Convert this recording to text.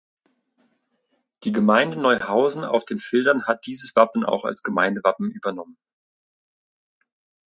Die Gemeinde Neuhausen auf den Fildern hat dieses Wappen auch als Gemeindewappen übernommen.